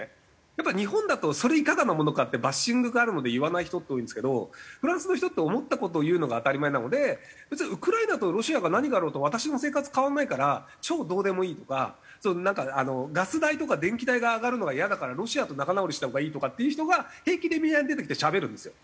やっぱり日本だとそれいかがなものかってバッシングがあるので言わない人って多いんですけどフランスの人って思った事を言うのが当たり前なので別にウクライナとロシアが何があろうと私の生活変わらないから超どうでもいいとかガス代とか電気代が上がるのがイヤだからロシアと仲直りしたほうがいいとかっていう人が平気でメディアに出てきてしゃべるんですよ。